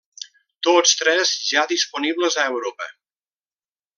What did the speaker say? Tots tres ja disponibles a Europa.